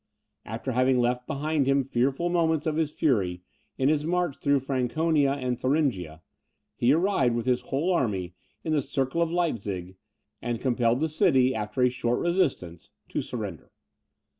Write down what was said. After having left behind him fearful monuments of his fury, in his march through Franconia and Thuringia, he arrived with his whole army in the Circle of Leipzig, and compelled the city, after a short resistance, to surrender.